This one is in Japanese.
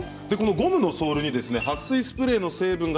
ゴムのソールにはっ水スプレーの成分が